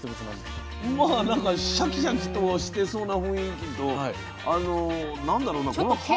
まあなんかシャキシャキとはしてそうな雰囲気とあの何だろうな。